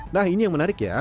nah ini yang menariknya